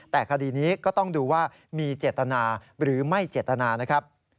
แต่คดีนี้ก็ต้องดูว่ามีเจตนาหรือไม่เจตนานะครับ